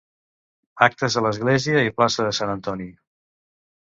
Actes a l'església i plaça de Sant Antoni.